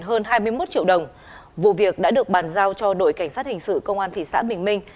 hơn hai mươi một triệu đồng vụ việc đã được bàn giao cho đội cảnh sát hình sự công an thị xã bình minh